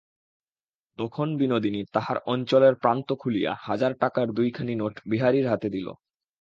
তখন বিনোদিনী তাহার অঞ্চলের প্রান্ত খুলিয়া হাজার টাকার দুইখানি নোট বিহারীর হাতে দিল।